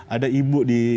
ada ibu di